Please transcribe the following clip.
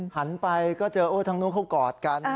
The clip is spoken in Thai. หันไปก็เจอโอ้ทางนู้นเขากอดกัน